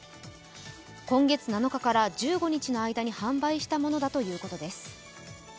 今月７日から１５日の間に販売したものだということです。